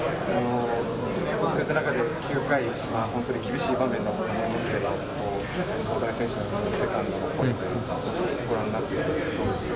そういった中で９回、本当に厳しい場面だったと思うんですけど、大谷選手のセカンドのほうとか、ご覧になってどうでした？